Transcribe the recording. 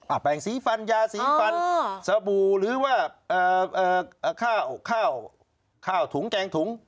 แปลงสีฟันยาสีฟันสบู่หรือว่าข้าวข้าวถุงแกงถุง